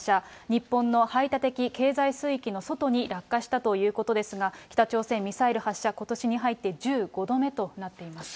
日本の排他的経済水域の外に落下したということですが、北朝鮮、ミサイル発射、ことしに入って１５度目となっています。